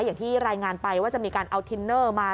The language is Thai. อย่างที่รายงานไปว่าจะมีการเอาทินเนอร์มา